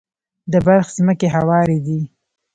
د بلخ ځمکې هوارې دي